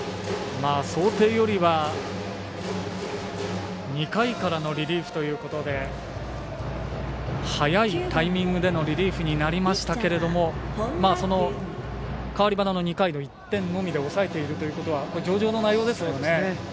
想定よりは２回からのリリーフということで早いタイミングでのリリーフになりましたけど代わり端の２回を１点のみで抑えているということは上々の内容ですね。